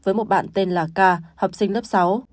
với một bạn tên là k học sinh lớp sáu